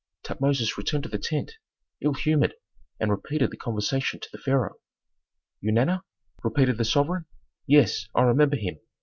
Tutmosis returned to the tent, ill humored, and repeated the conversation to the pharaoh. "Eunana?" repeated the sovereign. "Yes, I remember him.